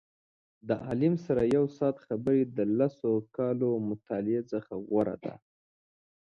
د عالم سره یو ساعت خبرې د لسو کالو مطالعې څخه غوره دي.